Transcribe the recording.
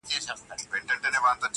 چي را نه سې پر دې سیمه پر دې لاره.!